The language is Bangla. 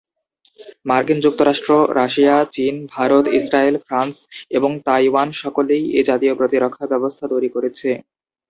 মার্কিন যুক্তরাষ্ট্র, রাশিয়া, চীন, ভারত, ইস্রায়েল, ফ্রান্স এবং তাইওয়ান সকলেই এ জাতীয় প্রতিরক্ষা ব্যবস্থা তৈরি করেছে।